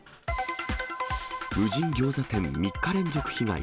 無人ギョーザ店３日連続被害。